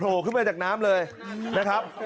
ดำน้ำเลยนะครับ